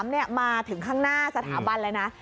๓เนี่ยมาถึงข้างหน้าสถาบันแล้วนะ